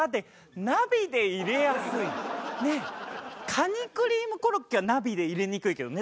カニクリームコロッケはナビで入れにくいけどね。